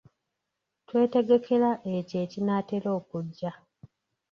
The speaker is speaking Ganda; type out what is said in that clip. Twetegekera ekyo ekinaatera okujja.